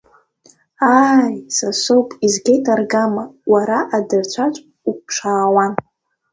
Ааи, са соуп, изгеит аргама, уара адырцәарҿ уԥшаауан.